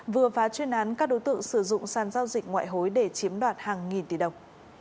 vừa phá chuyên án các đối tượng sử dụng sàn giao dịch ngoại hối để chiếm đoạt hàng nghìn tỷ đồng